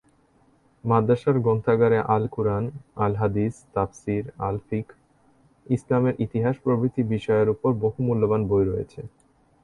মাদ্রাসার গ্রন্থাগারে আল কুরআন, আল হাদিস, তাফসীর, আল ফিকহ, ইসলামের ইতিহাস প্রভৃতি বিষয়ের উপর বহু মূল্যবান বই রয়েছে।